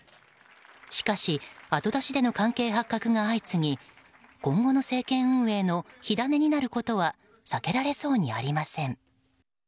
しかし、後出しでの関係発覚が相次ぎ今後の政権運営の火種になることは避けられそうにありません。